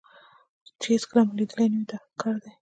چې هېڅکله مو لیدلی نه وي دا ښه کار دی.